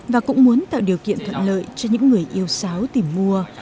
và cũng muốn tạo điều kiện thuận lợi cho những người yêu xáo tìm mua